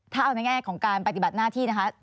ถ้าเอาในแง่ของการปฏิบัติหน้าที่นะคะ